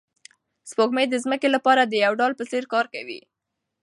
سپوږمۍ د ځمکې لپاره د یو ډال په څېر کار کوي.